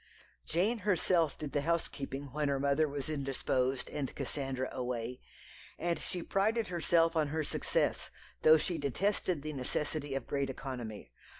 Jane herself did the housekeeping when her mother was indisposed and Cassandra away, and she prided herself on her success, though she detested the necessity of great economy.